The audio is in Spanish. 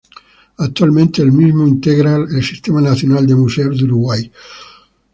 Actualmente el mismo integra el Sistema Nacional de Museos de Uruguay.